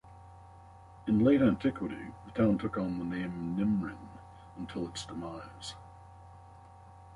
In late antiquity, the town took on the name Nimrin, until its demise.